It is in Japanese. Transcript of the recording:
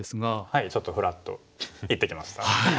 はいちょっとふらっと行ってきました。